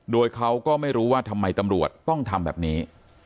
โดยเขาก็ไม่รู้ว่าทำไมตำรวจต้องทำแบบนี้